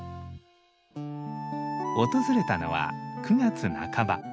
訪れたのは９月半ば。